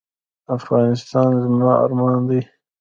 افغانستان زما ارمان دی